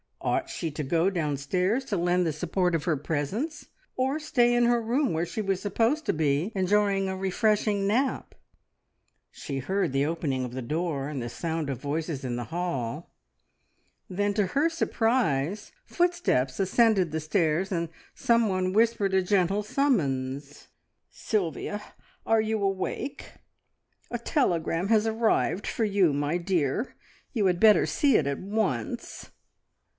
Ought she to go downstairs to lend the support of her presence, or stay in her room where she was supposed to be enjoying a refreshing nap? She heard the opening of the door and the sound of voices in the hall, then to her surprise footsteps ascended the stairs, and someone whispered a gentle summons "Sylvia! Are you awake? A telegram has arrived for you, my dear. You had better see it at once."